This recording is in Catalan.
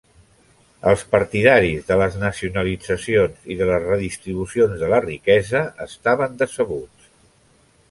Els partidaris de les nacionalitzacions i de les redistribucions de la riquesa estaven decebuts.